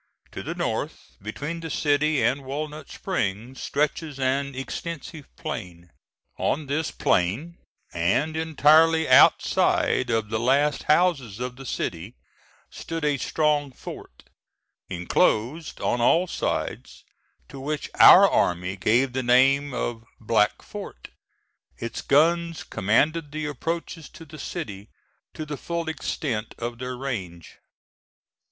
To the north, between the city and Walnut Springs, stretches an extensive plain. On this plain, and entirely outside of the last houses of the city, stood a strong fort, enclosed on all sides, to which our army gave the name of "Black Fort." Its guns commanded the approaches to the city to the full extent of their range.